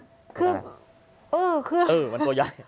คือเออคือมันตัวใหญ่